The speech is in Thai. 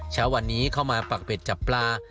เช้าวันนี้เข้ามาปักเป็ดจับปลา